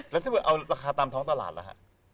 แล้วถ้าเกิดเอาราคาตามท้องตลาดล่ะฮะ